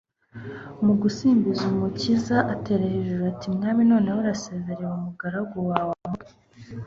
Mu gusimbiza Umukiza, atera hejuru ati: «Mwami noneho urasezerere umugaragu wawe amahoro,